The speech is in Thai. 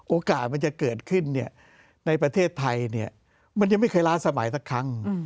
โอกาสมันจะเกิดขึ้นในประเทศไทยมันยังไม่เคยล้าสมัยสักครั้ง